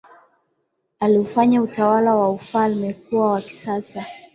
aliufanya utawala wa ufalme kuwa wa kisasa